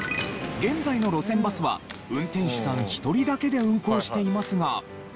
現在の路線バスは運転手さん１人だけで運行していますが。